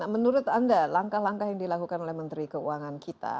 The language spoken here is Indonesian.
menurut anda langkah langkah yang dilakukan oleh menteri keuangan kita